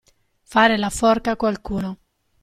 Fare la forca a qualcuno.